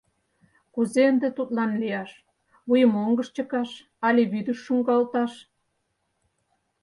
Кузе ынде тудлан лияш — вуйым оҥгыш чыкаш але вӱдыш шуҥгалташ?